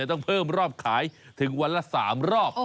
ต้องเพิ่มรอบขายถึงวันละ๓รอบ